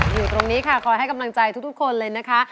อยู่ตรงนี้ค่ะคอยให้กำลังใจทุกคนเลยนะคะ